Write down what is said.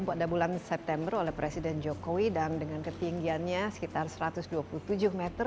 pada bulan september oleh presiden jokowi dan dengan ketinggiannya sekitar satu ratus dua puluh tujuh meter